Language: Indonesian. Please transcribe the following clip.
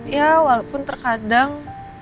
ya walaupun terkadang